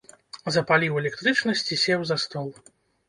Запаліў электрычнасць і сеў за стол.